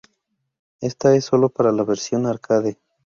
Esta es solo para la versión arcade.